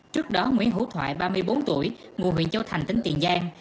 trước đó nguyễn hữu thoại ba mươi bốn tuổi ngụ huyện châu thành tỉnh tiền giang